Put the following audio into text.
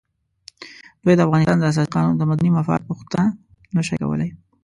دوی د افغانستان د اساسي قانون د مدني مفاد پوښتنه نه شوای کولای.